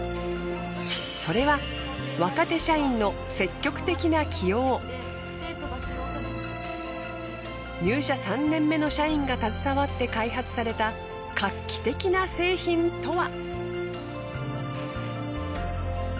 それは入社３年目の社員が携わって開発された画期的な製品とは。